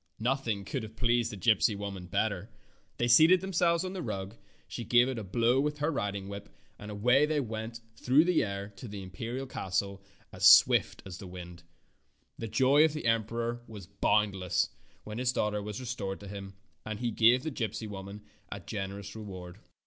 Nothing could have pleased the gypsy woman better. They seated themselves on the rug, she gave it a blow with her riding whip, and away they went through the air to the imperial castle as swift as the wind. The joy of the emperor was boundless when his daughter was restored to him, and he gave the gypsy woman a generous reward.